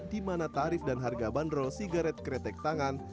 di mana tarif dan harga bandrol sigaret kretek tangan